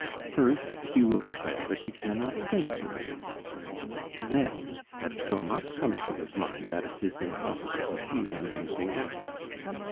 First he will declare that he cannot think of anything, then, that so much comes to his mind that it is impossible to seize on anything definite.